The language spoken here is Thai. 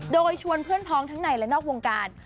โดยชวนเพื่อนพ้องทั้งในและนอกวงการ